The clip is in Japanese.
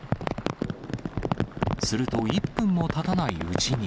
すると１分もたたないうちに。